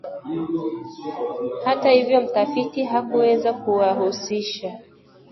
Hata hivyo mtafiti hakuweza kuwahusisha